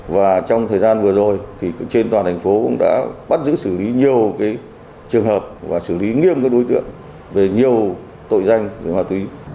và trong thời gian vừa rồi trên toàn thành phố cũng đã bắt giữ xử lý nhiều trường hợp và xử lý nghiêm các đối tượng về nhiều tội danh về ma túy